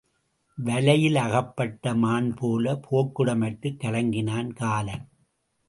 வலையிலகப்பட்ட மான் போலப் போக்கிட மற்றுக் கலங்கினன் காலன்.